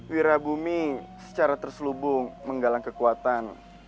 wirabumi secara terselubung menggalang kekuatan